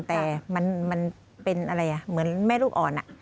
แต่มันเป็นอะไรเหมือนแม่ลูกอ่อน